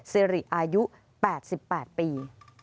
สิริอายุ๘๘ปี